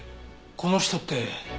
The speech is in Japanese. この人って。